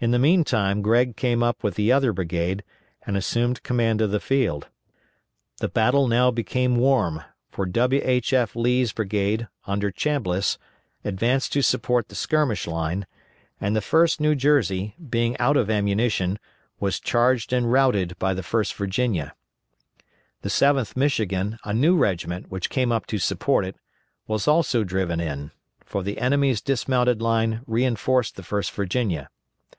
In the meantime Gregg came up with the other brigade, and assumed command of the field. The battle now became warm, for W. H. F. Lee's brigade, under Chambliss, advanced to support the skirmish line, and the 1st New Jersey, being out of ammunition, was charged and routed by the 1st Virginia. The 7th Michigan, a new regiment which came up to support it, was also driven in; for the enemy's dismounted line reinforced the 1st Virginia.